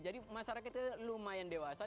jadi masyarakat kita lumayan dewasa